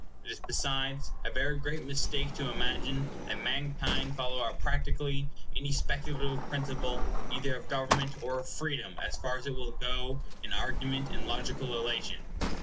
It is besides a very great mistake to imagine that mankind follow up practically any speculative principle, either of government or of freedom, as far as it will go in argument and logical illation.